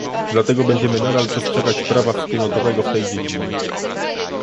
Dlatego będziemy nadal przestrzegać prawa wspólnotowego w tej dziedzinie